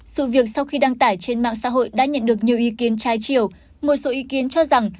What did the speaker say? dù việc sau khi đăng tải trên mạng xã hội đã nhận được nhiều ý kiến trai triều một số ý kiến cho rằng